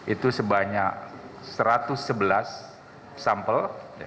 itu sebanyak satu ratus sebelas sampel